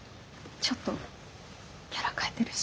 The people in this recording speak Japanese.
ちょっとキャラ変えてるし。